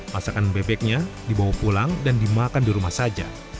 masakan bebeknya dibawa pulang dan dimakan di rumah saja